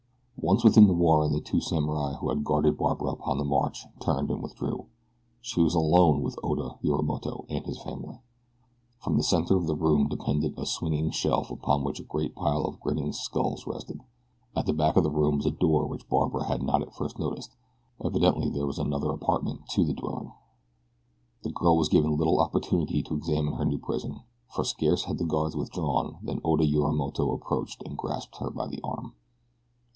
Once within the warren the two samurai who had guarded Barbara upon the march turned and withdrew she was alone with Oda Yorimoto and his family. From the center of the room depended a swinging shelf upon which a great pile of grinning skulls rested. At the back of the room was a door which Barbara had not at first noticed evidently there was another apartment to the dwelling. The girl was given little opportunity to examine her new prison, for scarce had the guards withdrawn than Oda Yorimoto approached and grasped her by the arm.